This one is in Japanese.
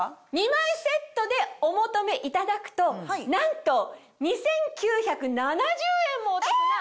２枚セットでお求めいただくとなんと２９７０円もお得な。